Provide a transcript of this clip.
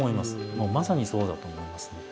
もうまさにそうだと思いますね。